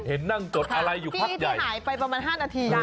เห็นนั่งจดอะไรอยู่ค่าใหญ่นั่งจดอะไรอยู่ค่าใหญ่ที่หายไปประมาณ๕นาที